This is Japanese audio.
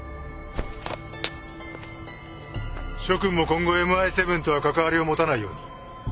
諸君も今後 ＭＩ７ とはかかわりを持たないように